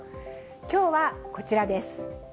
きょうはこちらです。